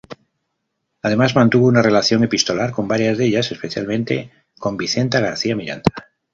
Además mantuvo una relación epistolar con varias de ellas, especialmente con Vicenta García Miranda.